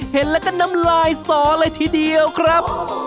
เห็นแล้วก็น้ำลายสอเลยทีเดียวครับ